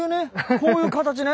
こういう形ね。